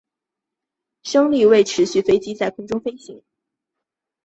升力维持飞机在空中飞行。